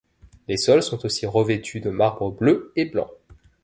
Les sols sont aussi revêtus de marbre bleu et blanc.